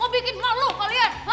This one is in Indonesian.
mau bikin malu aja sama ibu